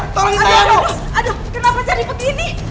aduh aduh aduh kenapa jadi begini